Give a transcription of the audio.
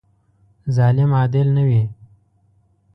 ظالم عادل نه وي.